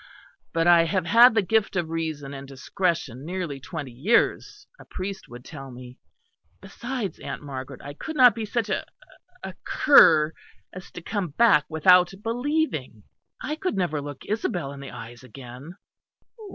"But I have had the gift of reason and discretion nearly twenty years, a priest would tell me. Besides, Aunt Margaret, I could not be such a a cur as to come back without believing. I could never look Isabel in the eyes again."